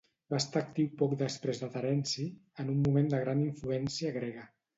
Va estar actiu poc després de Terenci, en un moment de gran influència grega.